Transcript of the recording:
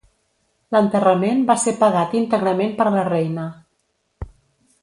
L'enterrament va ser pagat íntegrament per la reina.